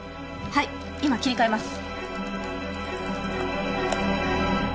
はい今切り替えます